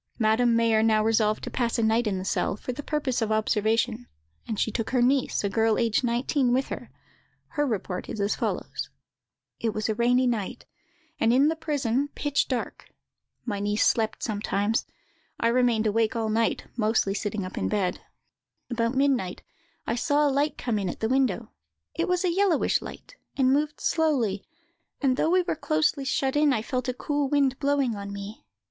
Madame Mayer now resolved to pass a night in the cell, for the purpose of observation; and she took her niece, a girl aged nineteen, with her: her report is as follows:— "It was a rainy night, and, in the prison, pitch dark. My niece slept sometimes; I remained awake all night, and mostly sitting up in bed. "About midnight I saw a light come in at the window; it was a yellowish light, and moved slowly; and though we were closely shut in, I felt a cool wind blowing on me.